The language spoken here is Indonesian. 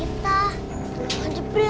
itu kan tempat main cerita